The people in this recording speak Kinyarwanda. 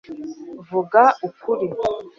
vuga ukuri